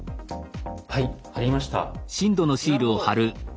はい貼りました。